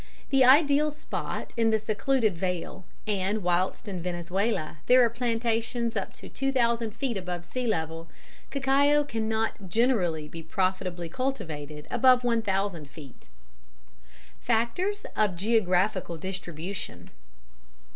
The ideal spot is the secluded vale, and whilst in Venezuela there are plantations up to 2000 feet above sea level, cacao cannot generally be profitably cultivated above 1000 feet. _Factors of Geographical Distribution.